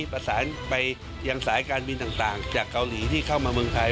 ประสานไปยังสายการบินต่างจากเกาหลีที่เข้ามาเมืองไทย